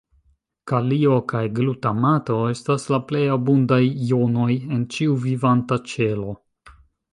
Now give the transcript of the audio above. Kalio kaj glutamato estas la plej abundaj jonoj en ĉiu vivanta ĉelo.